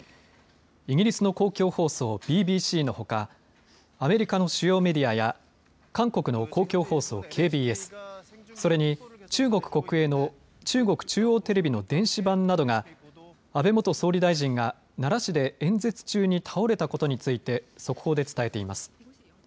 イギリスの公共放送、ＢＢＣのほか、アメリカの主要メディアや韓国の公共放送、ＫＢＳ、それに中国国営の中国中央テレビの電子版などが安倍元総理大臣が奈良市で演説中に倒れたことについて速報で伝えています。